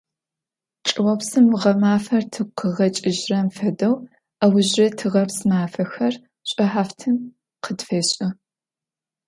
Чӏыопсым гъэмафэр тыгу къыгъэкӏыжьрэм фэдэу аужрэ тыгъэпс мафэхэр шӏухьафтын къытфешӏы.